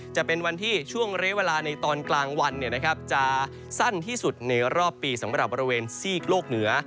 จะเป็นวันที่ช่วงเรียกเวลาในตอนกลางวันจะสั้นที่สุดในรอบปีสำหรับบริเวณซีกโลกเหนือ